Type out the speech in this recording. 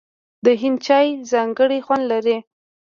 د هند چای ځانګړی خوند لري.